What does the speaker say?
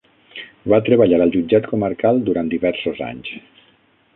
Va treballar al jutjat comarcal durant diversos anys.